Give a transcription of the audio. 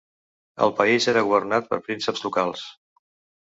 El país era governat per prínceps locals.